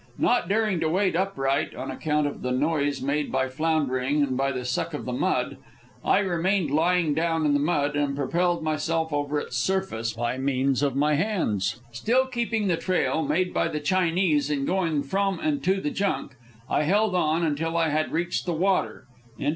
Not daring to wade upright, on account of the noise made by floundering and by the suck of the mud, I remained lying down in the mud and propelled myself over its surface by means of my hands. Still keeping the trail made by the Chinese in going from and to the junk, I held on until I had reached the water.